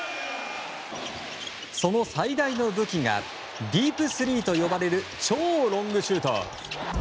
その最大の武器がディープスリーと呼ばれる超ロングシュート。